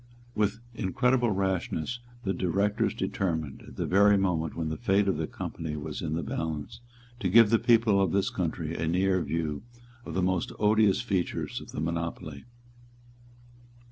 With incredible rashness the Directors determined, at the very moment when the fate of their company was in the balance, to give the people of this country a near view of the most odious features of the monopoly.